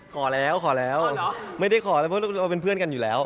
ขอแล้วขอแล้วไม่ได้ขอแล้วเพราะเราเป็นเพื่อนกันอยู่แล้ว